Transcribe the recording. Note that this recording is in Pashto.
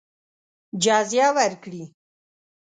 جزیه ورکړي.